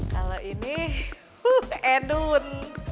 kalau ini huuh enun